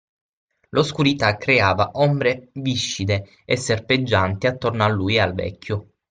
L'oscurità creava ombre viscide e serpeggianti attorno a lui e al vecchio.